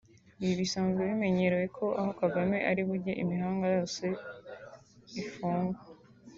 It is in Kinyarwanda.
Ibi bisanzwe bimenyerewe ko aho Kagame ari bujye imihanda yose ifungwa